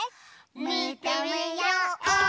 みてみよう！